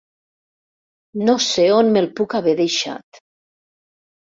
No sé on me'l puc haver deixat.